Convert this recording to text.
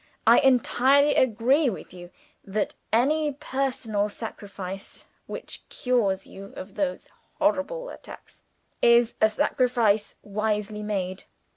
I entirely agree with you that any personal sacrifice which cures you of those horrible attacks is a sacrifice wisely made.